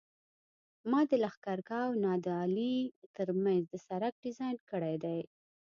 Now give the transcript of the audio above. ما د لښکرګاه او نادعلي ترمنځ د سرک ډیزاین کړی دی